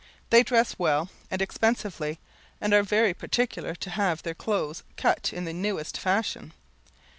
They dress well and expensively, and are very particular to have their clothes cut in the newest fashion.